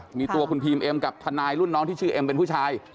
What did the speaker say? อันนี้คือคุณพรีมเอ็มทะนายรุ่นน้องชื่อเอ็มเป็นผู้ชาย